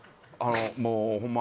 もうホンマ